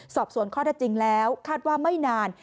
สอบสวนข้อได้จริงแล้วคาดว่าไม่นาน